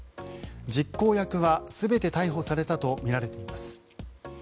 実行役は全て逮捕されたとみられています。